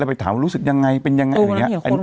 แล้วไปถามว่ารู้สึกยังไงเป็นยังไง